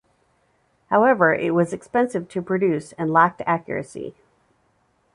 However, it was expensive to produce and lacked accuracy.